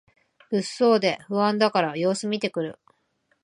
物騒で不安だから様子みてくる